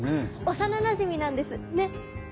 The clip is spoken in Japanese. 幼なじみなんですねっ！